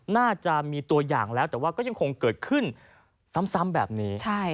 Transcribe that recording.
น่าจะมีตัวอย่างแล้วแต่ซึ่งจะเกิดขึ้นทันทีแบบนี้